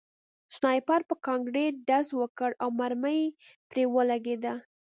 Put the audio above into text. سنایپر په کانکریټ ډز وکړ او مرمۍ پرې ولګېده